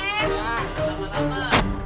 ya selamat lama lama